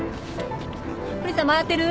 クニさん回ってる？